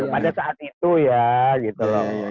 pada saat itu ya gitu loh